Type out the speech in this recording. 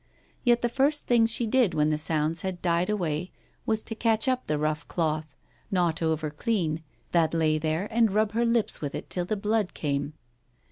Yet the first thing she did when the sounds had died away was to catch up a rough cloth, not over clean, that lay there, and rub her lips with it till the blood came.